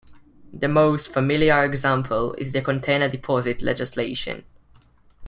The most familiar example is the container-deposit legislation.